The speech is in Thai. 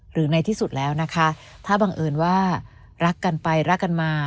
หรือในที่สุดแล้วนะคะถ้าบังเอิญว่ารักกันไปรักกันมา